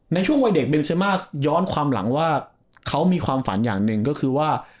ในช่วงวัยเด็กเบนเซมาสย้อนความหลังว่าเขามีความฝันอย่างหนึ่งก็คือว่า